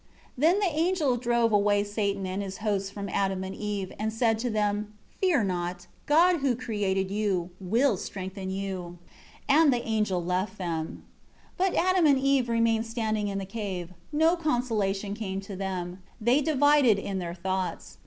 15 Then the angel drove away Satan and his hosts from Adam and Eve, and said to them, "Fear not; God who created you, will strengthen you." 16 And the angel left them. 17 But Adam and Eve remained standing in the cave; no consolation came to them; they divided in their thoughts.